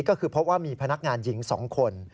ก็คือพบว่ามีพนักงานหญิง๒คน